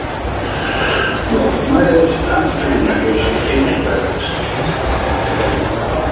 Both males and females incubate.